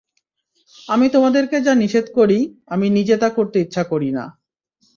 আমি তোমাদেরকে যা নিষেধ করি, আমি নিজে তা করতে ইচ্ছা করি না।